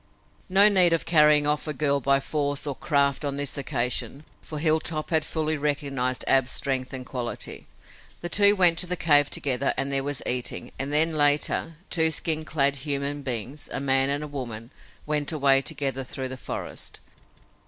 No need of carrying off a girl by force or craft on this occasion, for Hilltop had fully recognized Ab's strength and quality. The two went to the cave together and there was eating and then, later, two skin clad human beings, a man and a woman, went away together through the forest.